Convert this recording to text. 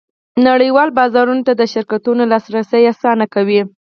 نړیوالو بازارونو ته د شرکتونو لاسرسی اسانه کوي